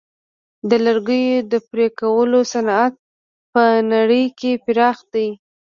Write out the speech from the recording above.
د لرګیو د پرې کولو صنعت په نړۍ کې پراخ دی.